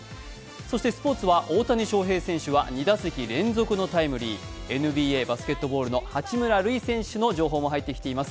そしてスポーツは、大谷翔平選手は２打席連続のタイムリー、ＮＢＡバスケットボールの八村塁選手の情報も入ってきています。